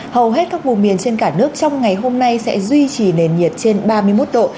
hầu hết các vùng miền trên cả nước trong ngày hôm nay sẽ duy trì nền nhiệt trên ba mươi một độ